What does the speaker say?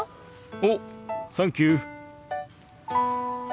おサンキュー。